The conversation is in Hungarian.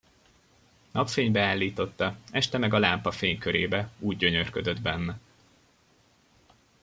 Napfénybe állította, este meg a lámpa fénykörébe, úgy gyönyörködött benne.